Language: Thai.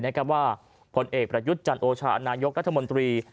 ในกรรมว่าพลเอกประยุทธจันทร์โอชาอันนายกรัฐมนตรี